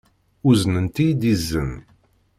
Uznent-iyi-d izen.